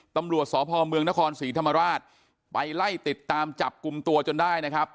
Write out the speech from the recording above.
ตำรวจสพเมืองนครศรีธรรมราชไปไล่ติดตามจับกลุ่มตัวจนได้นะครับ